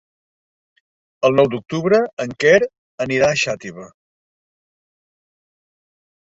El nou d'octubre en Quer anirà a Xàtiva.